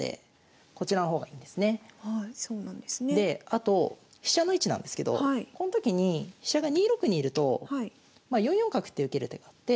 あと飛車の位置なんですけどこの時に飛車が２六にいると４四角って受ける手があって。